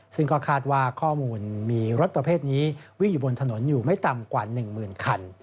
ซึ่งก็คาดว่าข้อมูลมีรถประเภทนี้วิ่งอยู่บนถนนอยู่ไม่ต่ำกว่า๑หมื่นคัน